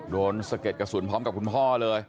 สะเก็ดกระสุนพร้อมกับคุณพ่อเลย